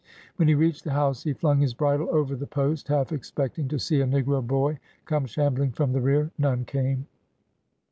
When he reached the house he flung his bridle over the post, half expecting to see a negro boy come shambling from the rear. None came.